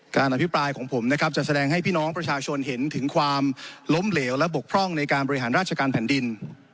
อภิปรายของผมนะครับจะแสดงให้พี่น้องประชาชนเห็นถึงความล้มเหลวและบกพร่องในการบริหารราชการแผ่นดิน